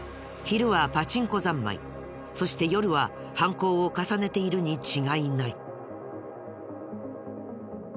昼はパチンコ三昧そして夜は犯行を重ねているに違いない。